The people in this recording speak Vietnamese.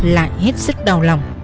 lại hết sức đau lòng